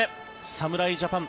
侍ジャパン